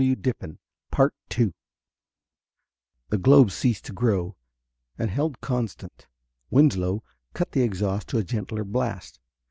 The globe ceased to grow and held constant. Winslow cut the exhaust to a gentler blast.